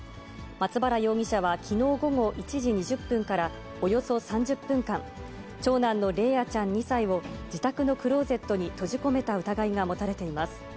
松原容疑者は、きのう午後１時２０分からおよそ３０分間、長男の莉蒼ちゃん２歳を自宅のクローゼットに閉じ込めた疑いが持たれています。